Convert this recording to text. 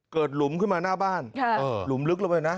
หลุมขึ้นมาหน้าบ้านหลุมลึกลงไปนะ